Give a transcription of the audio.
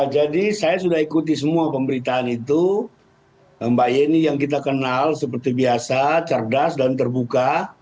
jadi saya sudah ikuti semua pemberitaan itu mbak yeni yang kita kenal seperti biasa cerdas dan terbuka